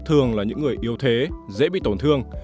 thường là những người yếu thế dễ bị tổn thương